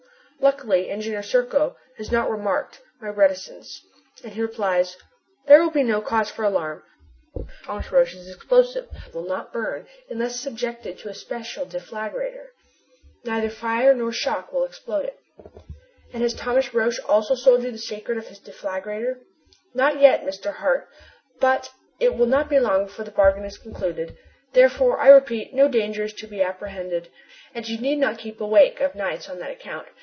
Luckily Engineer Serko has not remarked my reticence, and he replies: "There will be no cause for alarm. Thomas Roch's explosive will not burn unless subjected to a special deflagrator. Neither fire nor shock will explode it." "And has Thomas Roch also sold you the secret of his deflagrator?" "Not yet, Mr. Hart, but it will not be long before the bargain is concluded. Therefore, I repeat, no danger is to be apprehended, and you need not keep awake of nights on that account.